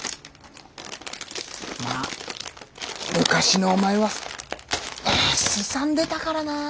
まあ昔のお前はすさんでたからな。